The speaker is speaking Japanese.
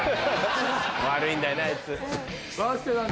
悪いんだよなあいつ。なぁ。